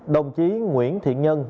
đồng chí nguyễn thiện nhân